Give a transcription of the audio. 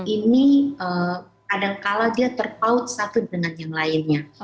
ini kadangkala dia terpaut satu dengan yang lainnya